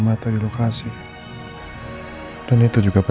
dan saya ingin membuat andin bahagia